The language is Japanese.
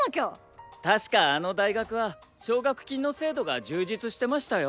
確かあの大学は奨学金の制度が充実してましたよ。